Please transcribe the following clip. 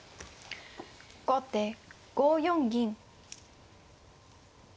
後手５四銀。